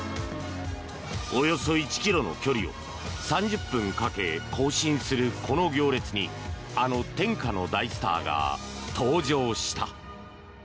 およそ１ｋｍの距離を３０分かけ行進するこの行列にあの天下の大スターが登場した。